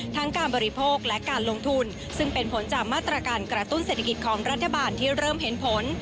ทั้งการบริโภคและการลงทุนซึ่งเป็นผลจากมาตรการกระตุ้นเศรษฐกิจของรัฐบาลที่เริ่มเห็นผล